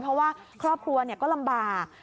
เพราะว่าครอบครัวก็ลำบาก